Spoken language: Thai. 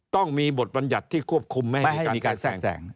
ต้องมีบทบัญญัติที่ควบคุมไม่ให้มีการแทรกแสง